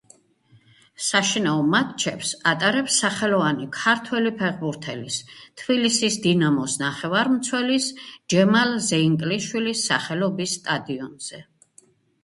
საშინაო მატჩებს ატარებს სახელოვანი ქართველი ფეხბურთელის, თბილისის „დინამოს“ ნახევარმცველის, ჯემალ ზეინკლიშვილის სახელობის სტადიონზე.